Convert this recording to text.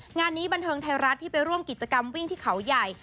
งานนี้บันเทิงไทยรัฐที่ไปร่วมกิจกรรมวิ่งที่เขาใหญ่